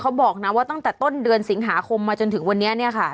บอกนะว่าตั้งแต่ต้นเดือนสิงหาคมมาจนถึงวันนี้เนี่ยค่ะ